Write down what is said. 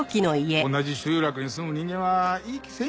同じ集落に住む人間はいい気せんやろ。